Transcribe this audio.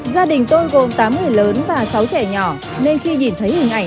gia đình tôi gồm tám người lớn và sáu trẻ nhỏ nên khi nhìn thấy hình ảnh